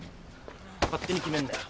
勝手に決めんなよ。